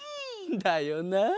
だよなあ！